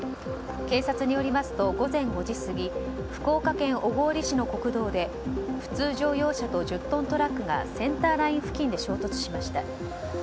警察によりますと午前５時過ぎ福岡県小郡市の国道で普通乗用車と１０トントラックがセンターライン付近で衝突しました。